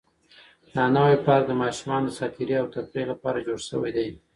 دا نوی پارک د ماشومانو د ساتیرۍ او تفریح لپاره جوړ شوی دی.